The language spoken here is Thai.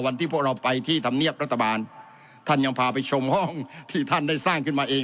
วันที่พวกเราไปที่ธรรมเนียบรัฐบาลท่านยังพาไปชมห้องที่ท่านได้สร้างขึ้นมาเอง